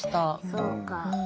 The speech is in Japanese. そうか。